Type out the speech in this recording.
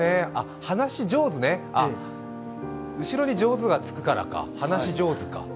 話上手ね、後ろにじょうずがつくからか、話上手か。